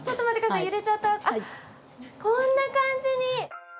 あっこんな感じに。